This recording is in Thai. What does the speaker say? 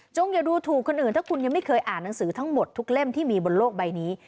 อย่าดูถูกคนอื่นถ้าคุณยังไม่เคยอ่านหนังสือทั้งหมดทุกเล่มที่มีบนโลกใบนี้